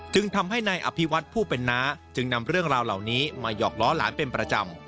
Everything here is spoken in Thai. จึงทำให้นายอภิวัตผู้เป็นน้าจึงนำเรื่องราวเหล่านี้มาหยอกล้อหลานเป็นประจำ